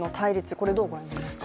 これ、どうご覧になりますか？